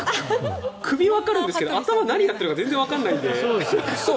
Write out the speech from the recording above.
首はわかるんですけど頭は何か全然わからないので。